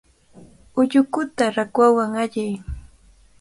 Ullukuta rakwawan allay.